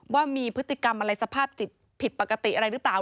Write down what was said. ว่ามีพฤติกรรมอะไรสภาพจิตผิดปกติอะไรหรือเปล่า